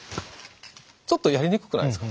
ちょっとやりにくくないですか？